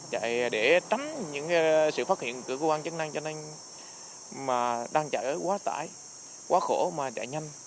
chạy để tránh những sự phát hiện của cơ quan chức năng cho nên mà đang chở quá tải quá khổ mà chạy nhanh